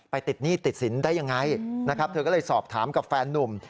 ติดหนี้ติดสินได้ยังไงนะครับเธอก็เลยสอบถามกับแฟนนุ่ม